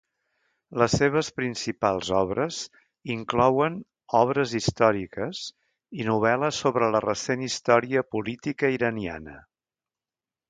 Les seves principals obres inclouen obres històriques i novel·les sobre la recent història política iraniana.